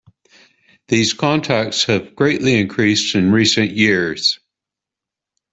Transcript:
These contacts have greatly increased in recent years.